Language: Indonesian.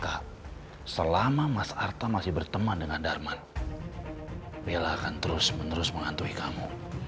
kak selama mas arta masih berteman dengan darman bella akan terus menerus menghantui kamu